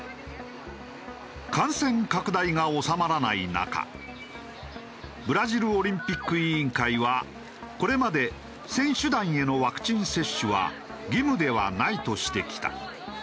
感染拡大が収まらない中ブラジルオリンピック委員会はこれまで選手団へのワクチン接種は義務ではないとしてきた。